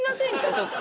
ちょっと。